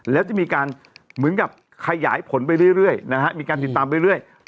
แล้วจะมีการเหมือนกับขยายผลไปเรื่อยเรื่อยนะฮะมีการติดตามไปเรื่อยเรื่อย